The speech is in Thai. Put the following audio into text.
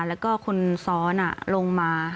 แล้วก็คนซ้อนลงมา